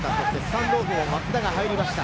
スタンドオフの松田が入りました。